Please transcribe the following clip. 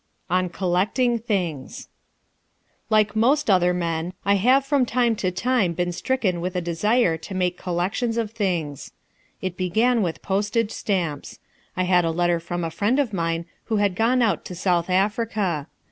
On Collecting Things Like most other men I have from time to time been stricken with a desire to make collections of things. It began with postage stamps. I had a letter from a friend of mine who had gone out to South Africa.